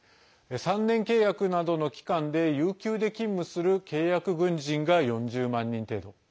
３年契約などの期間で有給で勤務する契約軍人が４０万人程度。